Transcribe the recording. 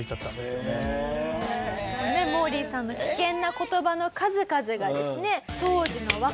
でモーリーさんの危険な言葉の数々がですね。